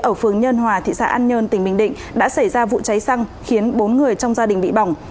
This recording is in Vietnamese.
ở phường nhân hòa tp hcm đã xảy ra vụ cháy xăng khiến bốn người trong gia đình bị bỏng